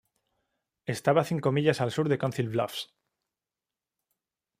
Estaba cinco millas al sur de Council Bluffs.